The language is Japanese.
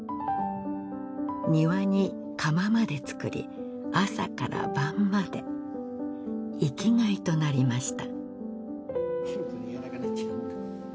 庭に窯まで作り朝から晩まで生きがいとなりました